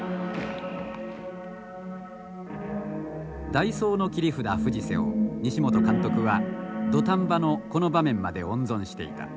代走の切り札藤瀬を西本監督は土壇場のこの場面まで温存していた。